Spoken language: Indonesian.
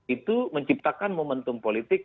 itu menciptakan momentum politik